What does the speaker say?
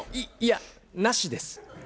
いいやなしです。